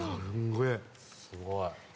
すごい。